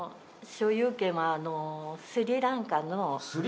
所有権はスリランカ！？